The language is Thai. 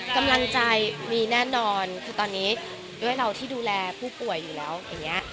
กำลังใจมีแน่นอนคือตอนนี้ด้วยเราที่ดูแลผู้ป่วยอยู่แล้วอย่างนี้